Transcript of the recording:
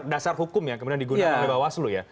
dasar hukum yang kemudian digunakan oleh bawaslu ya